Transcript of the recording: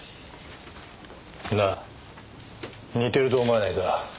なあ似てると思わないか？